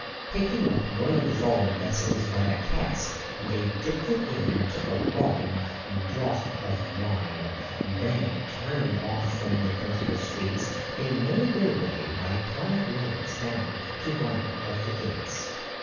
Picking up one of the fallen vessels by a cask they dipped it in and took a long draught of wine; then, turning off from the principal streets, they made their way by quiet lanes down to one of the gates.